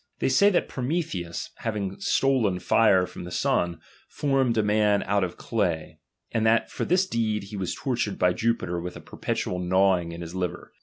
They ^H e^y that FroQictheus, having stolen fire from the Bun, formed a ^H man out of clay, and that for this deed he was tortured by Jupiter ^H wilh It perpetual gnawing in his liver.